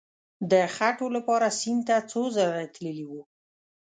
د خټو لپاره سیند ته څو ځله تللی وو.